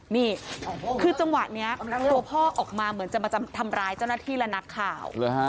นี่คือจังหวะนี้ตัวพ่อออกมาเหมือนจะมาทำร้ายเจ้าหน้าที่และนักข่าว